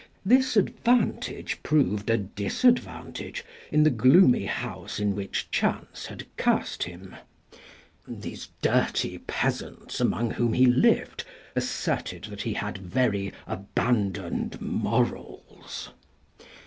This advantage proved a disadvantage in the gloomy house in which chance had cast him. This dirty peasants among whom he lived asserted that he had very abandoned morals.